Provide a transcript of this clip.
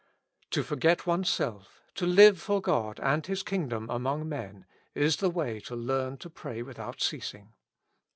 To forget oneself, to live for God and His kingdom among men, is the way to learn to pray without ceasing.